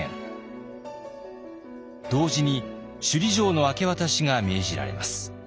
同時に首里城の明け渡しが命じられます。